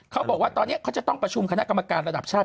เขาบอกว่าตอนนี้เขาจะต้องประชุมคณะกรรมการระดับชาติ